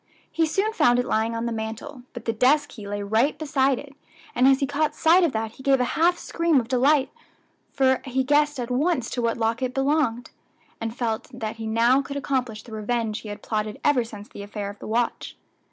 He soon found it lying on the mantel; but the desk key lay right beside it, and as he caught sight of that he gave a half scream of delight, for he guessed at once to what lock it belonged, and felt that he now could accomplish the revenge he had plotted ever since the affair of the watch.